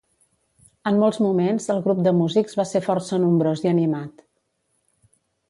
En molts moments el grup de músics va ser força nombrós i animat.